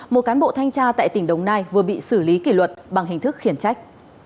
một cán bộ thanh tra tại tỉnh đồng nai vừa bị xử lý kỷ luật bằng hình thức khiển trách